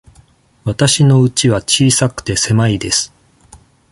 わたしのうちは小さくて、狭いです。